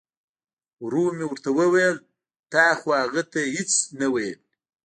ورو مې ورته وویل تا خو هغه ته هیڅ نه ویل.